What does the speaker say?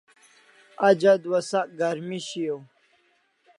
Aj adua sak garmi shiaw